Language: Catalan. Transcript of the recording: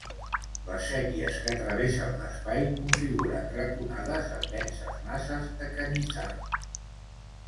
Les séquies que travessen l'espai configuren raconades amb denses masses de canyissar.